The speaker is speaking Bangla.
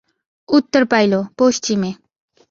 উত্তর পাইল, পশ্চিমে।